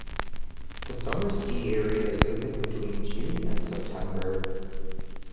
The summer ski area is open between June and September.